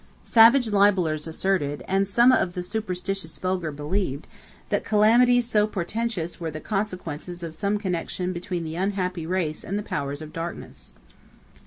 Savage libellers asserted, and some of the superstitious vulgar believed, that calamities so portentous were the consequences of some connection between the unhappy race and the powers of darkness.